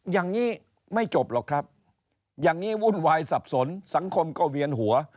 อย่างนี้ไม่จบหรอกครับอย่างนี้วุ่นวายสับสนสังคมก็เวียนหัว